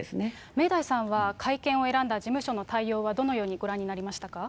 明大さんは、会見を選んだ事務所の対応はどのようにご覧になりましたか。